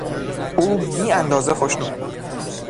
او بی اندازه ناخشنود بود.